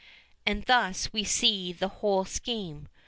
And thus we see the whole scheme.